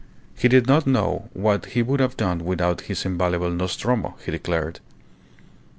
He did not know what he would have done without his invaluable Nostromo, he declared.